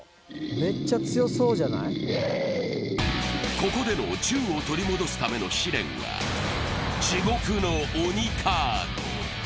ここでの銃を取り戻すための試練は地獄のオニカート。